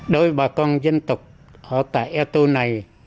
đối với bà con dân tộc ở tại eto này